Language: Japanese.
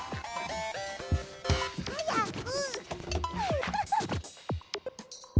はやく！